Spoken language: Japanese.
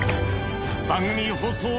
・番組放送